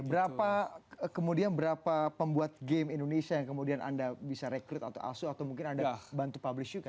berapa kemudian berapa pembuat game indonesia yang kemudian anda bisa rekrut atau asu atau mungkin anda bantu publish juga